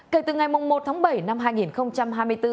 kể từ ngày một tháng bảy năm hai nghìn hai mươi bốn